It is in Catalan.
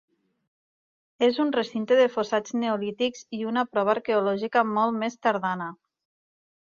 És un recinte de fossats neolítics i una prova arqueològica molt més tardana.